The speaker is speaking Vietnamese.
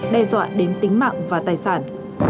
đe dọa đến tính mạng và tài sản